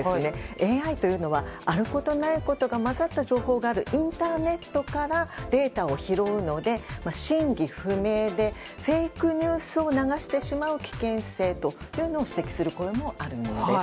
ＡＩは、あることないことが交ざった情報があるインターネットからデータを拾うので真偽不明でフェイクニュースを流してしまう危険性というのを指摘する声もあります。